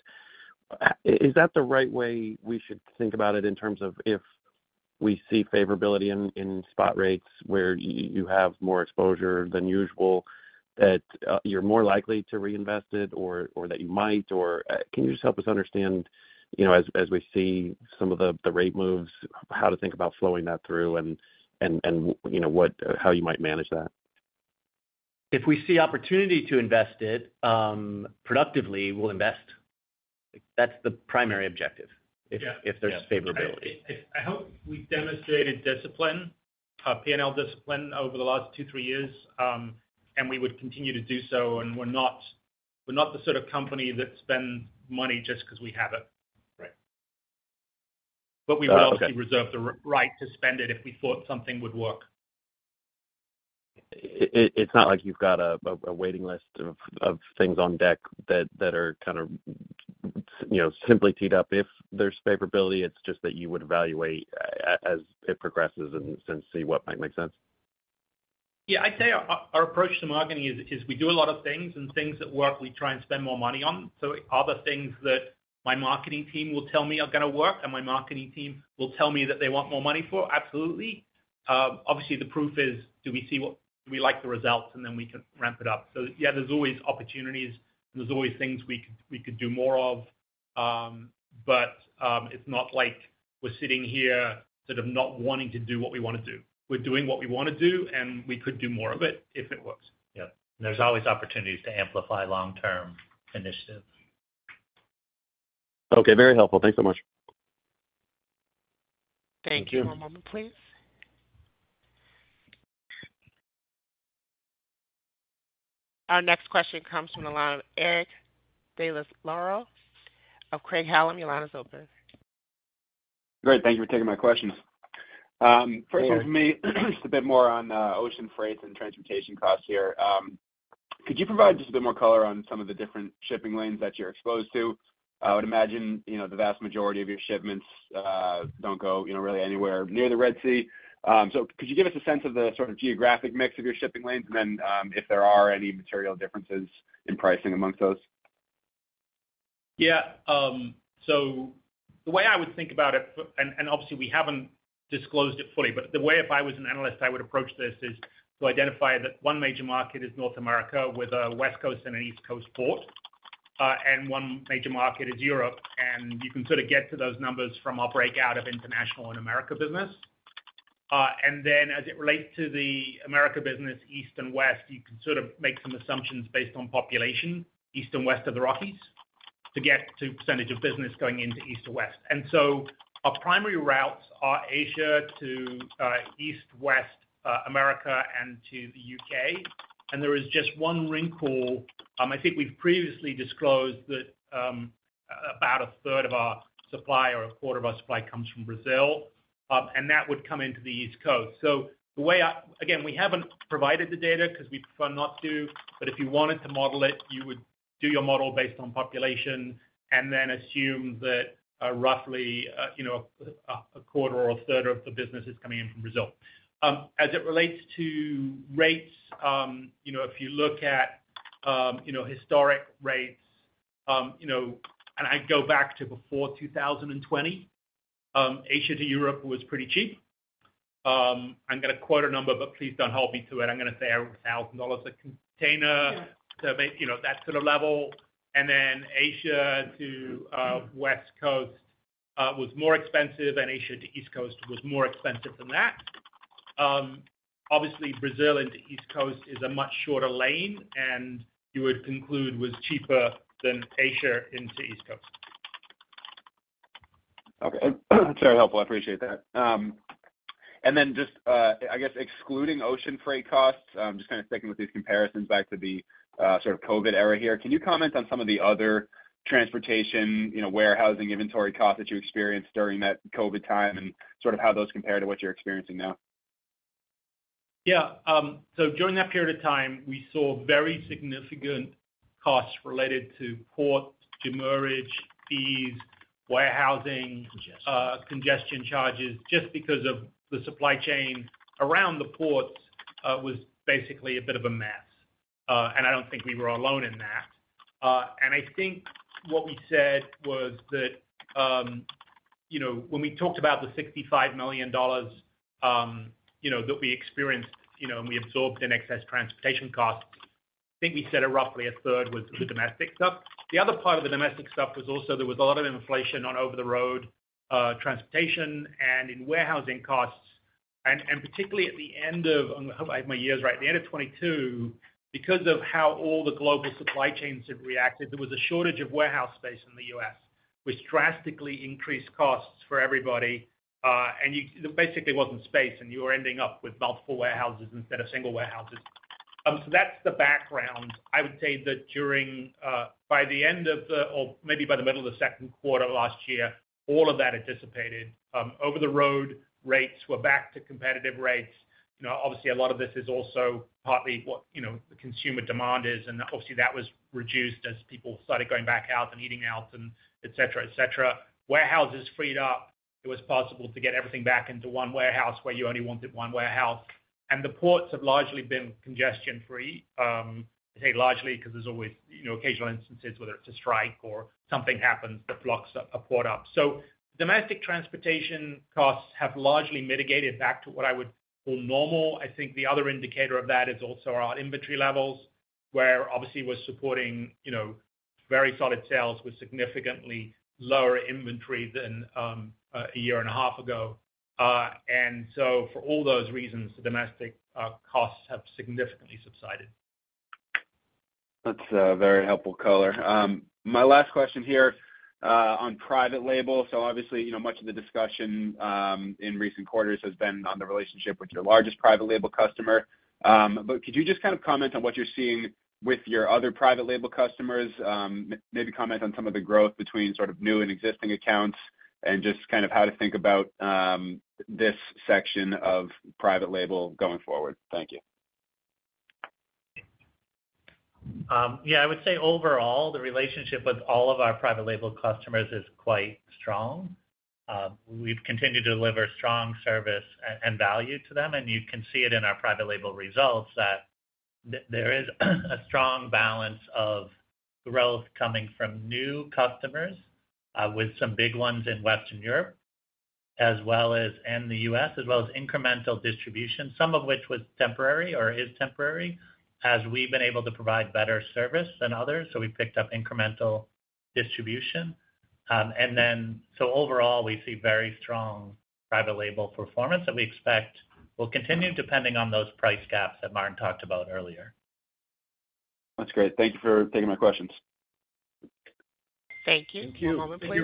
Is that the right way we should think about it in terms of if we see favorability in spot rates where you have more exposure than usual, that you're more likely to reinvest it or that you might? Or can you just help us understand as we see some of the rate moves, how to think about flowing that through and how you might manage that? If we see opportunity to invest it productively, we'll invest. That's the primary objective if there's favorability. I hope we've demonstrated discipline, P&L discipline, over the last 2-3 years. And we would continue to do so. And we're not the sort of company that spends money just because we have it. But we would obviously reserve the right to spend it if we thought something would work. It's not like you've got a waiting list of things on deck that are kind of simply teed up if there's favorability. It's just that you would evaluate as it progresses and see what might make sense. Yeah. I'd say our approach to marketing is we do a lot of things. And things that work, we try and spend more money on. So other things that my marketing team will tell me are going to work and my marketing team will tell me that they want more money for, absolutely. Obviously, the proof is, do we see what do we like the results? And then we can ramp it up. So yeah, there's always opportunities. And there's always things we could do more of. But it's not like we're sitting here sort of not wanting to do what we want to do. We're doing what we want to do, and we could do more of it if it works. Yeah. There's always opportunities to amplify long-term initiatives. Okay. Very helpful. Thanks so much. Thank you. One moment, please. Our next question comes from the line of Eric Des Lauriers of Craig-Hallum. Your line is open. Great. Thank you for taking my questions. First one from me, just a bit more on ocean freight and transportation costs here. Could you provide just a bit more color on some of the different shipping lanes that you're exposed to? I would imagine the vast majority of your shipments don't go really anywhere near the Red Sea. So could you give us a sense of the sort of geographic mix of your shipping lanes and then if there are any material differences in pricing amongst those? Yeah. So the way I would think about it and obviously, we haven't disclosed it fully. But the way if I was an analyst, I would approach this is to identify that one major market is North America with a West Coast and an East Coast port. And one major market is Europe. And you can sort of get to those numbers from our breakout of international and America business. And then as it relates to the America business, east and west, you can sort of make some assumptions based on population, east and west of the Rockies to get to percentage of business going into east and west. And so our primary routes are Asia to east, west, America, and to the UK. And there is just one wrinkle. I think we've previously disclosed that about a third of our supply or a quarter of our supply comes from Brazil. That would come into the East Coast. Again, we haven't provided the data because we prefer not to. If you wanted to model it, you would do your model based on population and then assume that roughly a quarter or a third of the business is coming in from Brazil. As it relates to rates, if you look at historic rates and I go back to before 2020, Asia to Europe was pretty cheap. I'm going to quote a number, but please don't hold me to it. I'm going to say $1,000 a container, that sort of level. Then Asia to West Coast was more expensive, and Asia to East Coast was more expensive than that. Obviously, Brazil into East Coast is a much shorter lane, and you would conclude was cheaper than Asia into East Coast. Okay. That's very helpful. I appreciate that. And then just, I guess, excluding ocean freight costs, just kind of sticking with these comparisons back to the sort of COVID era here, can you comment on some of the other transportation, warehousing, inventory costs that you experienced during that COVID time and sort of how those compare to what you're experiencing now? Yeah. So during that period of time, we saw very significant costs related to port, demurrage fees, warehousing, congestion charges just because of the supply chain around the ports was basically a bit of a mess. And I don't think we were alone in that. And I think what we said was that when we talked about the $65 million that we experienced and we absorbed in excess transportation costs, I think we said roughly a third was the domestic stuff. The other part of the domestic stuff was also there was a lot of inflation on over-the-road transportation and in warehousing costs. And particularly at the end of, I hope I have my years right. At the end of 2022, because of how all the global supply chains had reacted, there was a shortage of warehouse space in the U.S., which drastically increased costs for everybody. There basically wasn't space. You were ending up with multiple warehouses instead of single warehouses. So that's the background. I would say that by the end of the, or maybe by the middle of the, second quarter last year, all of that dissipated. Over-the-road rates were back to competitive rates. Obviously, a lot of this is also partly what the consumer demand is. And obviously, that was reduced as people started going back out and eating out, etc., etc. Warehouses freed up. It was possible to get everything back into one warehouse where you only wanted one warehouse. And the ports have largely been congestion-free. I say largely because there's always occasional instances, whether it's a strike or something happens that blocks a port up. So domestic transportation costs have largely mitigated back to what I would call normal. I think the other indicator of that is also our inventory levels where obviously, we're supporting very solid sales with significantly lower inventory than a year and a half ago. And so for all those reasons, the domestic costs have significantly subsided. That's a very helpful color. My last question here on private label. So obviously, much of the discussion in recent quarters has been on the relationship with your largest private label customer. But could you just kind of comment on what you're seeing with your other private label customers? Maybe comment on some of the growth between sort of new and existing accounts and just kind of how to think about this section of private label going forward. Thank you. Yeah. I would say overall, the relationship with all of our private label customers is quite strong. We've continued to deliver strong service and value to them. And you can see it in our private label results that there is a strong balance of growth coming from new customers with some big ones in Western Europe and the U.S., as well as incremental distribution, some of which was temporary or is temporary as we've been able to provide better service than others. So we've picked up incremental distribution. And then so overall, we see very strong private label performance that we expect will continue depending on those price gaps that Martin talked about earlier. That's great. Thank you for taking my questions. Thank you. One moment, please.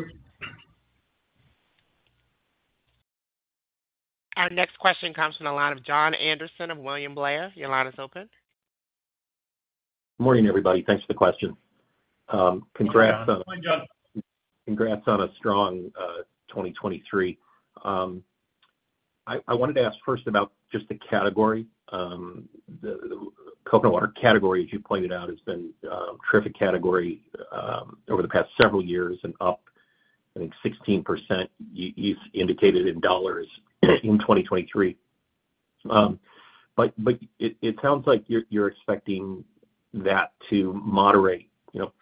Our next question comes from the line of Jon Andersen of William Blair. Your line is open. Good morning, everybody. Thanks for the question. Congrats on a. Good morning, Jon. Congrats on a strong 2023. I wanted to ask first about just the category. The coconut water category, as you pointed out, has been a terrific category over the past several years and up, I think, 16% indicated in dollars in 2023. But it sounds like you're expecting that to moderate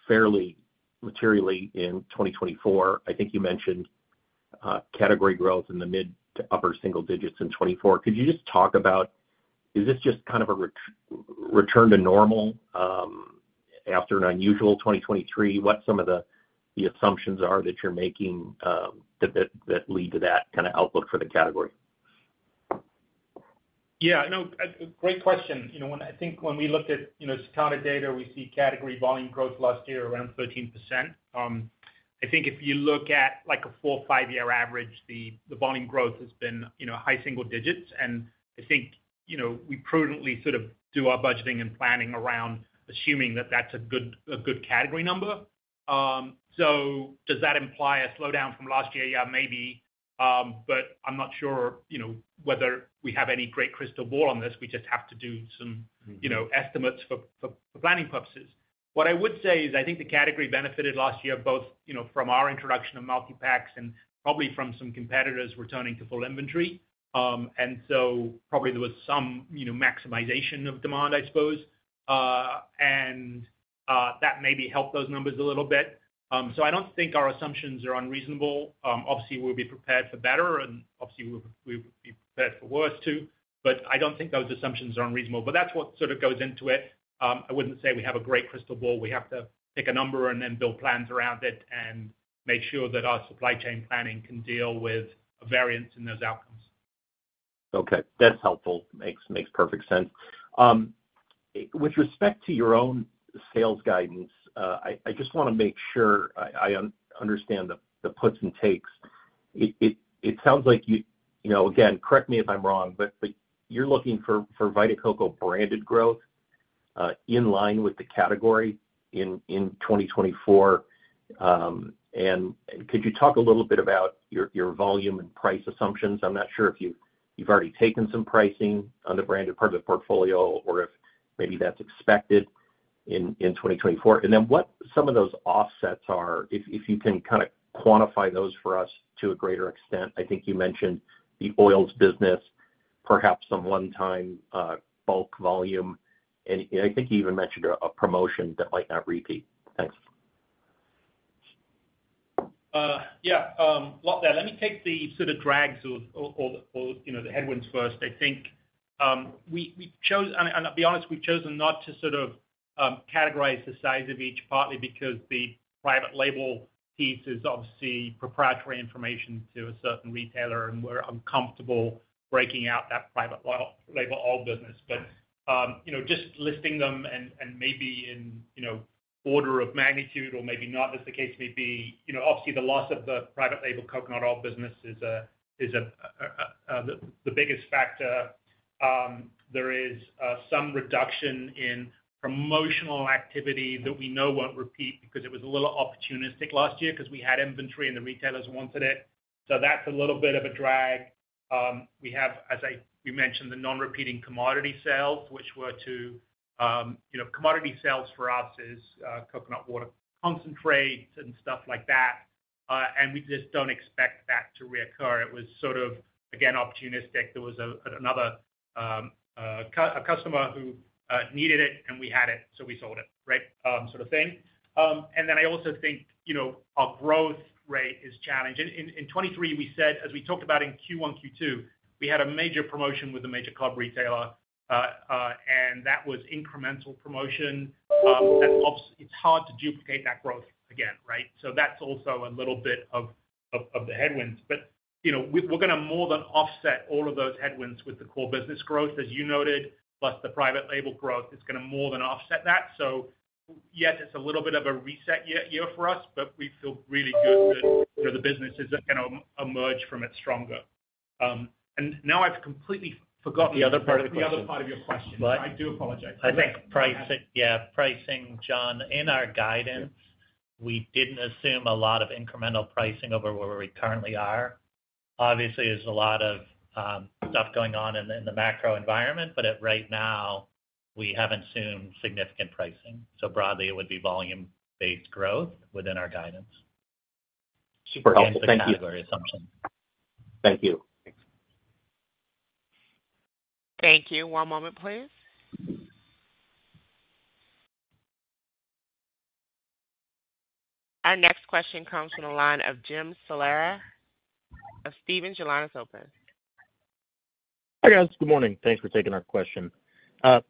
fairly materially in 2024. I think you mentioned category growth in the mid to upper single digits in 2024. Could you just talk about, is this just kind of a return to normal after an unusual 2023? What some of the assumptions are that you're making that lead to that kind of outlook for the category? Yeah. No, great question. I think when we looked at Circana data, we see category volume growth last year around 13%. I think if you look at a 4- or 5-year average, the volume growth has been high single digits. And I think we prudently sort of do our budgeting and planning around assuming that that's a good category number. So does that imply a slowdown from last year? Yeah, maybe. But I'm not sure whether we have any great crystal ball on this. We just have to do some estimates for planning purposes. What I would say is I think the category benefited last year both from our introduction of multi-packs and probably from some competitors returning to full inventory. And so probably there was some maximization of demand, I suppose. And that maybe helped those numbers a little bit. So I don't think our assumptions are unreasonable. Obviously, we'll be prepared for better. And obviously, we'll be prepared for worse too. But I don't think those assumptions are unreasonable. But that's what sort of goes into it. I wouldn't say we have a great crystal ball. We have to pick a number and then build plans around it and make sure that our supply chain planning can deal with a variance in those outcomes. Okay. That's helpful. Makes perfect sense. With respect to your own sales guidance, I just want to make sure I understand the puts and takes. It sounds like you again, correct me if I'm wrong, but you're looking for Vita Coco branded growth in line with the category in 2024. Could you talk a little bit about your volume and price assumptions? I'm not sure if you've already taken some pricing on the branded part of the portfolio or if maybe that's expected in 2024. Then what some of those offsets are, if you can kind of quantify those for us to a greater extent. I think you mentioned the oils business, perhaps some one-time bulk volume. I think you even mentioned a promotion that might not repeat. Thanks. Yeah. Lot there. Let me take the sort of drags or the headwinds first. I think we've chosen and to be honest, we've chosen not to sort of categorize the size of each partly because the Private Label piece is obviously proprietary information to a certain retailer. And we're uncomfortable breaking out that Private Label coconut oil business. But just listing them and maybe in order of magnitude or maybe not, as the case may be, obviously, the loss of the Private Label coconut oil business is the biggest factor. There is some reduction in promotional activity that we know won't repeat because it was a little opportunistic last year because we had inventory and the retailers wanted it. So that's a little bit of a drag. We have, as we mentioned, the non-repeating commodity sales, which were to commodity sales for us is coconut water concentrate and stuff like that. We just don't expect that to reoccur. It was sort of, again, opportunistic. There was another customer who needed it, and we had it, so we sold it, right, sort of thing. Then I also think our growth rate is challenged. In 2023, we said, as we talked about in Q1, Q2, we had a major promotion with a major club retailer. And that was incremental promotion. It's hard to duplicate that growth again, right? So that's also a little bit of the headwinds. But we're going to more than offset all of those headwinds with the core business growth, as you noted, plus the private label growth. It's going to more than offset that. So yes, it's a little bit of a reset year for us, but we feel really good that the business is going to emerge from it stronger. Now I've completely forgotten the other part of your question. The other part of your question. I do apologize. I think pricing, yeah, pricing, Jon. In our guidance, we didn't assume a lot of incremental pricing over where we currently are. Obviously, there's a lot of stuff going on in the macro environment. But right now, we haven't assumed significant pricing. So broadly, it would be volume-based growth within our guidance. Super helpful. Thank you. We didn't have that very assumption. Thank you. Thank you. One moment, please. Our next question comes from the line of Jim Salera. of Stephens, your line is open. Hi, guys. Good morning. Thanks for taking our question.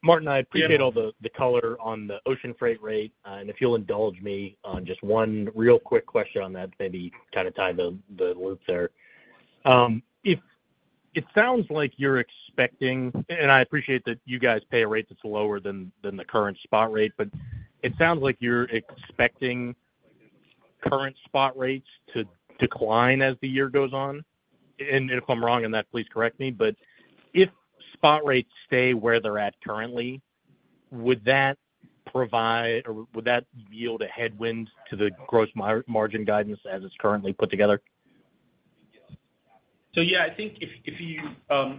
Martin, I appreciate all the color on the ocean freight rate. And if you'll indulge me on just one real quick question on that to maybe kind of tie the loop there. It sounds like you're expecting and I appreciate that you guys pay a rate that's lower than the current spot rate. But it sounds like you're expecting current spot rates to decline as the year goes on. And if I'm wrong in that, please correct me. But if spot rates stay where they're at currently, would that provide or would that yield a headwind to the gross margin guidance as it's currently put together? So yeah, I think if you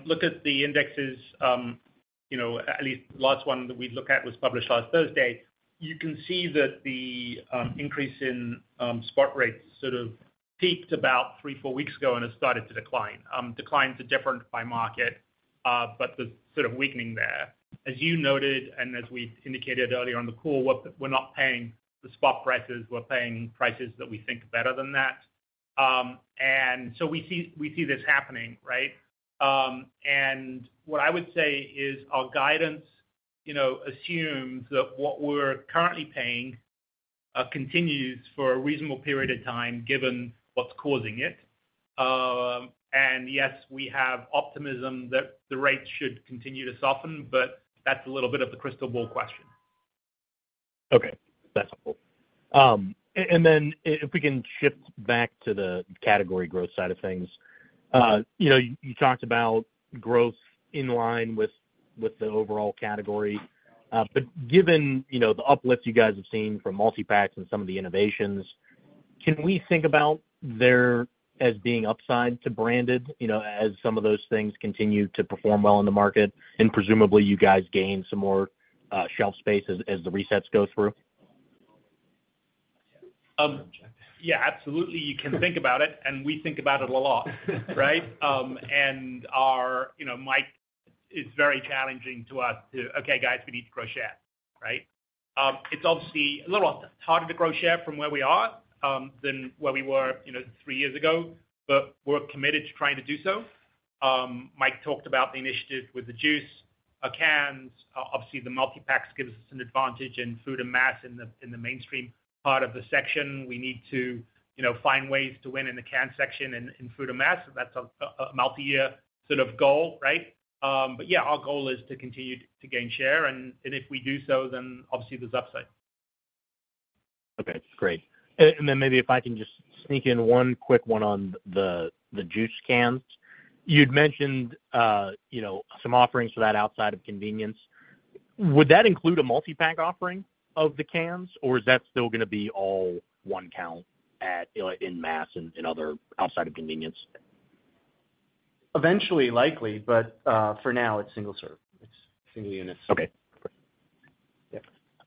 look at the indexes, at least the last one that we looked at was published last Thursday, you can see that the increase in spot rates sort of peaked about 3-4 weeks ago and has started to decline. Declines are different by market, but there's sort of weakening there. As you noted and as we indicated earlier on the call, we're not paying the spot prices. We're paying prices that we think better than that. And so we see this happening, right? And what I would say is our guidance assumes that what we're currently paying continues for a reasonable period of time given what's causing it. And yes, we have optimism that the rates should continue to soften. But that's a little bit of the crystal ball question. Okay. That's helpful. And then if we can shift back to the category growth side of things, you talked about growth in line with the overall category. But given the uplift you guys have seen from multi-packs and some of the innovations, can we think about there as being upside to branded as some of those things continue to perform well in the market? And presumably, you guys gain some more shelf space as the resets go through? Yeah, absolutely. You can think about it. We think about it a lot, right? Mike, it's very challenging to us to, "Okay, guys, we need to grow share," right? It's obviously a little harder to grow share from where we are than where we were three years ago. We're committed to trying to do so. Mike talked about the initiative with the juice, cans. Obviously, the multi-packs gives us an advantage in food and mass in the mainstream part of the section. We need to find ways to win in the can section and food and mass. That's a multi-year sort of goal, right? Yeah, our goal is to continue to gain share. If we do so, then obviously, there's upside. Okay. Great. And then maybe if I can just sneak in one quick one on the juice cans, you'd mentioned some offerings for that outside of convenience. Would that include a multi-pack offering of the cans? Or is that still going to be all one count in mass and other outside of convenience? Eventually, likely. But for now, it's single serve. It's single units. Okay.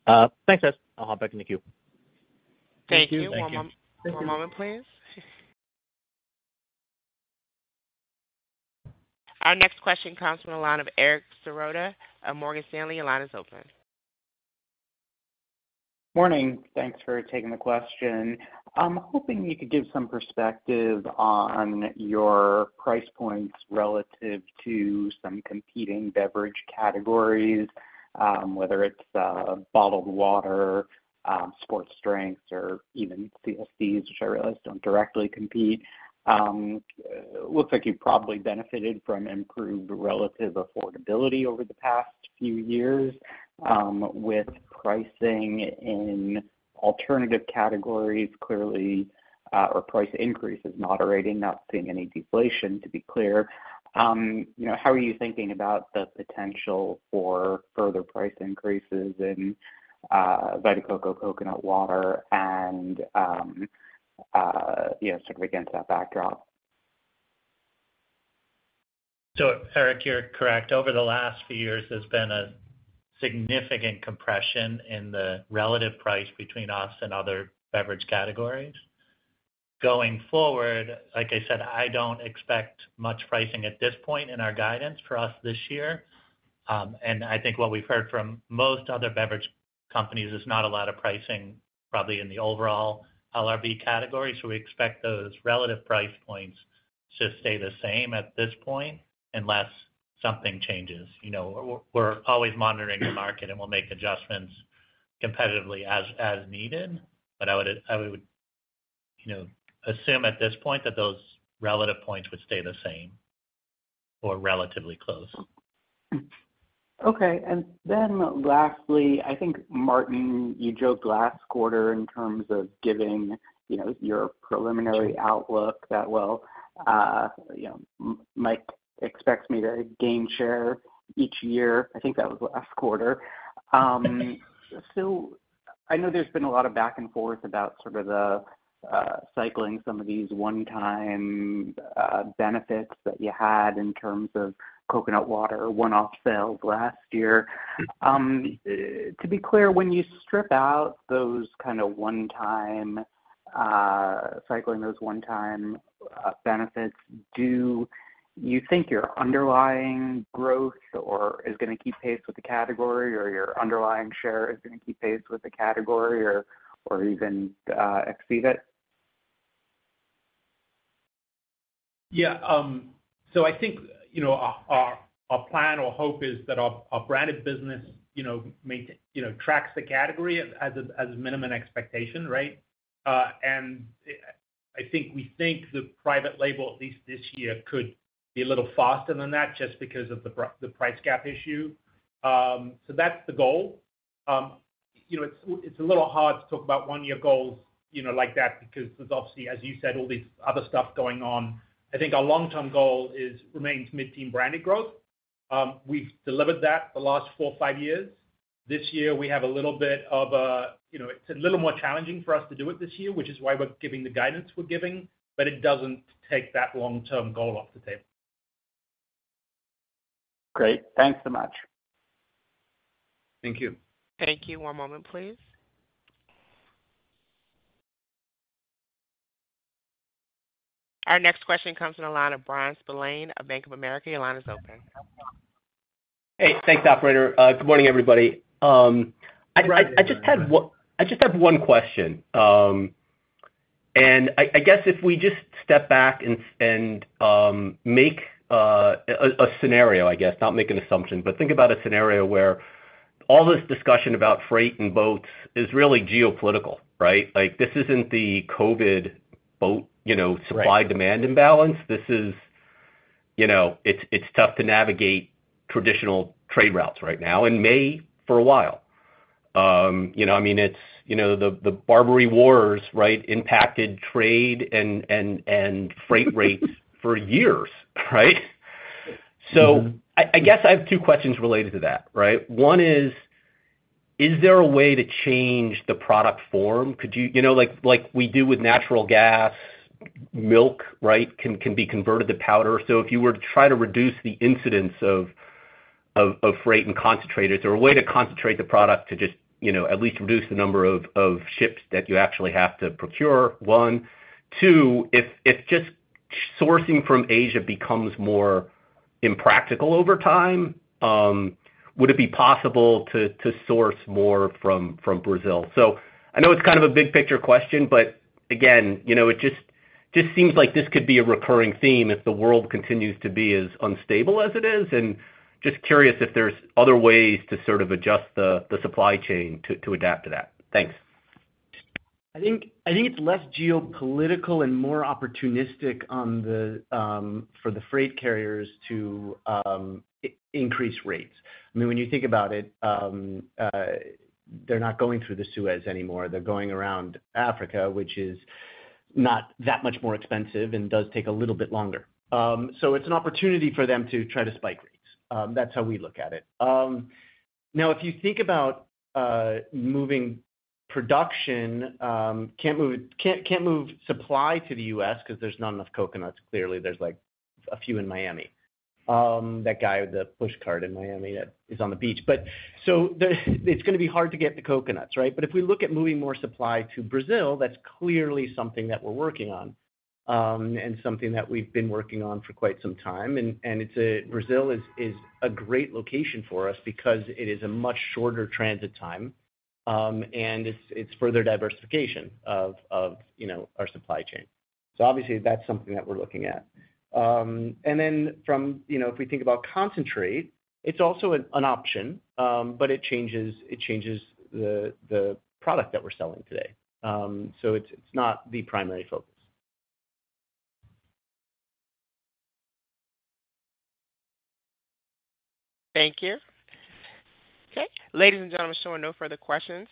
Great. Thanks, guys. I'll hop back in the queue. Thank you. One moment, please. Our next question comes from the line of Eric Serotta. Morgan Stanley, your line is open. Morning. Thanks for taking the question. I'm hoping you could give some perspective on your price points relative to some competing beverage categories, whether it's bottled water, sports drinks, or even CSDs, which I realize don't directly compete. It looks like you've probably benefited from improved relative affordability over the past few years with pricing in alternative categories clearly, or price increases moderating, not seeing any deflation, to be clear. How are you thinking about the potential for further price increases in Vita Coco Coconut Water and sort of against that backdrop? So Eric, you're correct. Over the last few years, there's been a significant compression in the relative price between us and other beverage categories. Going forward, like I said, I don't expect much pricing at this point in our guidance for us this year. And I think what we've heard from most other beverage companies is not a lot of pricing probably in the overall LRB category. So we expect those relative price points to stay the same at this point unless something changes. We're always monitoring the market, and we'll make adjustments competitively as needed. But I would assume at this point that those relative points would stay the same or relatively close. Okay. And then lastly, I think, Martin, you joked last quarter in terms of giving your preliminary outlook that, "Well, Mike expects me to gain share each year." I think that was last quarter. So I know there's been a lot of back and forth about sort of the cycling some of these one-time benefits that you had in terms of coconut water one-off sales last year. To be clear, when you strip out those kind of one-time cycling those one-time benefits, do you think your underlying growth is going to keep pace with the category or your underlying share is going to keep pace with the category or even exceed it? Yeah. So I think our plan or hope is that our branded business tracks the category as a minimum expectation, right? And I think we think the private label, at least this year, could be a little faster than that just because of the price gap issue. So that's the goal. It's a little hard to talk about one-year goals like that because there's obviously, as you said, all this other stuff going on. I think our long-term goal remains mid-teens branded growth. We've delivered that the last four, five years. This year, it's a little more challenging for us to do it this year, which is why we're giving the guidance we're giving. But it doesn't take that long-term goal off the table. Great. Thanks so much. Thank you. Thank you. One moment, please. Our next question comes from the line of Bryan Spillane, Bank of America. Your line is open. Hey. Thanks, operator. Good morning, everybody. I just had one question. I guess if we just step back and make a scenario, I guess, not make an assumption, but think about a scenario where all this discussion about freight and boats is really geopolitical, right? This isn't the COVID boat supply-demand imbalance. It's tough to navigate traditional trade routes right now and may for a while. I mean, the Barbary Wars, right, impacted trade and freight rates for years, right? I guess I have two questions related to that, right? One is, is there a way to change the product form? Could you like we do with natural gas, milk, right, can be converted to powder. So if you were to try to reduce the incidence of freight and concentrators, there are ways to concentrate the product to just at least reduce the number of ships that you actually have to procure. One, two, if just sourcing from Asia becomes more impractical over time, would it be possible to source more from Brazil? So I know it's kind of a big-picture question. But again, it just seems like this could be a recurring theme if the world continues to be as unstable as it is. And just curious if there's other ways to sort of adjust the supply chain to adapt to that. Thanks. I think it's less geopolitical and more opportunistic for the freight carriers to increase rates. I mean, when you think about it, they're not going through the Suez anymore. They're going around Africa, which is not that much more expensive and does take a little bit longer. So it's an opportunity for them to try to spike rates. That's how we look at it. Now, if you think about moving production, can't move supply to the U.S. because there's not enough coconuts, clearly. There's a few in Miami. That guy with the pushcart in Miami that is on the beach. So it's going to be hard to get the coconuts, right? But if we look at moving more supply to Brazil, that's clearly something that we're working on and something that we've been working on for quite some time. And Brazil is a great location for us because it is a much shorter transit time. And it's further diversification of our supply chain. So obviously, that's something that we're looking at. Then if we think about concentrate, it's also an option. But it changes the product that we're selling today. So it's not the primary focus. Thank you. Okay. Ladies and gentlemen, showing no further questions.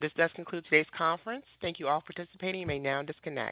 This does conclude today's conference. Thank you all for participating. You may now disconnect.